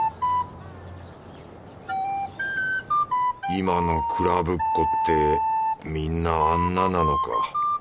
今のクラブっ子ってみんなあんななのか？